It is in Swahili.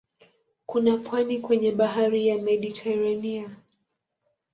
Kuna pwani kwenye bahari ya Mediteranea.